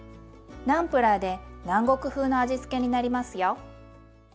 ナンプラーで南国風の味付けになりますよ。